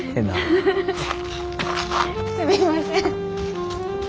すみません。